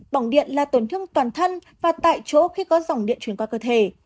bỏng điện là tổn thương toàn thân và tại chỗ khi có dòng điện truyền qua cơ thể